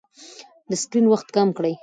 د سکرین وخت کم کړئ.